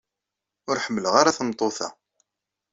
Ur ḥemmleɣ ara tameṭṭut-a.